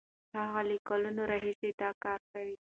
هغه له کلونو راهیسې دا کار کوي.